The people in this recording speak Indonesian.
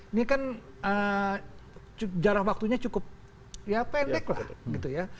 ini kan jarak waktunya cukup ya pendek lah gitu ya